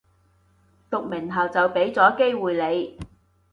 讀名校就畀咗機會你